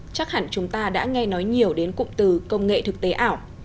chắc hẳn chúng ta đã nghe nói nhiều đến cụm từ công nghệ thực tế ảo